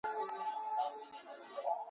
ایا مینه رښتیا ته اړتیا لري؟